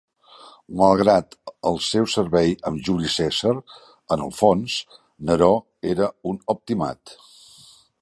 Malgrat el seu servei amb Juli Cèsar, en el fons, Neró era un optimat.